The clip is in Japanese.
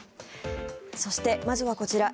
そして、まずはこちら。